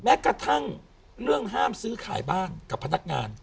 แม้กระทั่งเรื่องห้ามซื้อขายบ้านกับพนักงาน